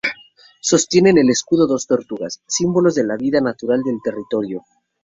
Sostienen el escudo dos tortugas, símbolos de la vida natural del territorio.